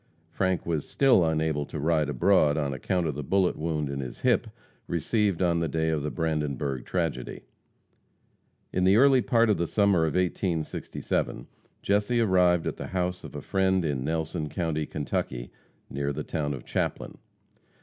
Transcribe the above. Frank was still unable to ride abroad on account of the bullet wound in his hip received on the day of the Brandenburg tragedy. In the early part of the summer of 1867, Jesse arrived at the house of a friend in Nelson county, Kentucky, near the town of Chaplin.